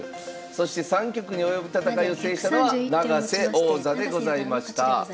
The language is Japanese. そして３局に及ぶ戦いを制したのは永瀬王座でございました。